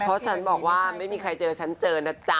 เพราะฉันบอกว่าไม่มีใครเจอฉันเจอนะจ๊ะ